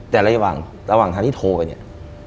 แต่ระหว่างทางที่โทรไปเนี่ย